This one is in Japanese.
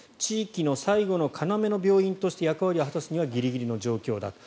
地域の最後の要の病院として役割を果たすにはギリギリの状況だと。